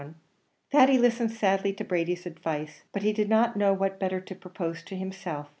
Thady listened sadly to Brady's advice, but he did not know what better to propose to himself.